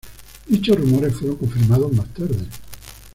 Dichos rumores fueron confirmados más tarde.